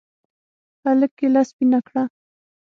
هلك کېله سپينه کړه.